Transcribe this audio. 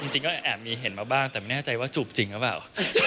จริงก็แอบมีเห็นมาบ้างแต่ไม่แน่ใจว่าจูบจริงหรือเปล่า